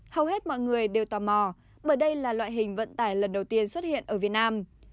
hầu hết mọi người đều tò mò bởi đây là loại hình vận tải lần đầu tiên xuất hiện ở việt nam